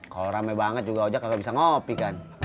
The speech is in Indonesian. kalau rame banget juga ojak enggak bisa ngopi kan